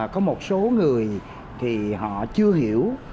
có một số người thì họ chưa hiểu